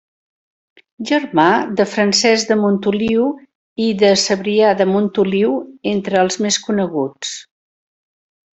Germà de Francesc de Montoliu i de Cebrià de Montoliu, entre els més coneguts.